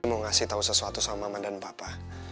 mau ngasih tau sesuatu sama mama dan papa